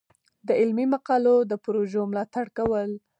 د علمي مقالو د پروژو ملاتړ کول.